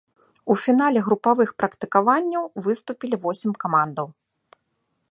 У фінале групавых практыкаванняў выступілі восем камандаў.